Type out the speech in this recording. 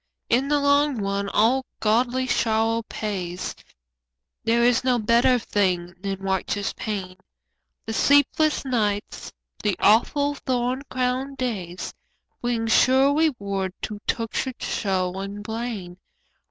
In the long run all godly sorrow pays, There is no better thing than righteous pain, The sleepless nights, the awful thorn crowned days, Bring sure reward to tortured soul and brain.